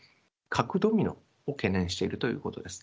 核ドミノを懸念しているということです。